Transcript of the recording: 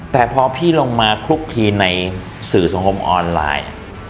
แต่พอพี่ลงมาคลุกคลีในสื่อสังคมออนไลน์